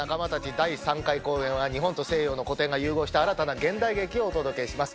第３回公演は日本と西洋の古典が融合した新たな現代劇をお届けします。